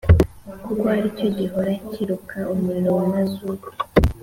kuko ari cyo gihoraa kiruka umuriro w’amazuku,